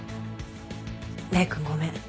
礼くんごめん。